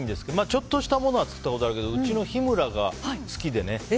ちょっとしたものは作ったことあるけどうちの日村が好きでね。